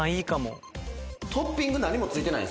トッピング何もついてない。